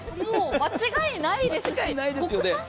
間違いないですよね。